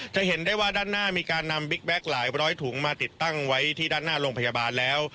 จะเห็นได้ว่าด้านหน้ามีการนำบิ๊กแก๊กหลายร้อยถุงมาติดตั้งไว้ที่ด้านหน้าโรงพยาบาลแล้ว